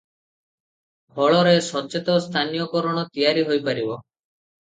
ଫଳରେ ସଚେତ ସ୍ଥାନୀୟକରଣ ତିଆରି ହୋଇପାରିବ ।